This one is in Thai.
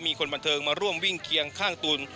มีคนบันเทิงมาร่วมวิ่งเคียงข้างตุ๋น